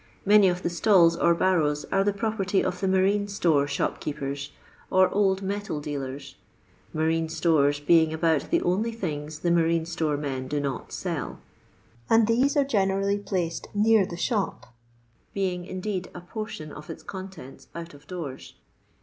Many of the stalls or barrows are the property of the marine store shopkeepers, or old metal dealers (marine stores being about the only things the marine store men do not sell), and these are generally placed near the shop, being indeed a portion of its contents out of dooiis.